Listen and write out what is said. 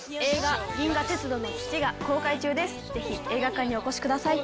ぜひ映画館にお越しください。